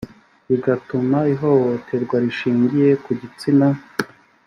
bigatuma ihohoterwa rishingiye ku gitsina